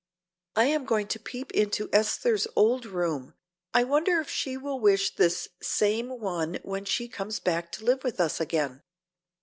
"I am going to peep into Esther's old room; I wonder if she will wish this same one when she comes back to live with us again.